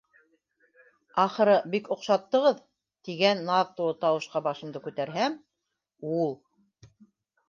«Ахыры, бик оҡшаттығыҙ...» тигән наҙ тулы тауышҡа башымды күтәрһәм - ул!